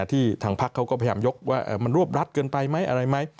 ที่ทางพักเขาก็พยายามยกว่ามันรวบรัดเกินไปไหมอะไรไหม